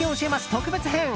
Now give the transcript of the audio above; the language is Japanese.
特別編。